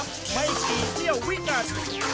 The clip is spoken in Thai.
ไม่กี่เที่ยววิกัน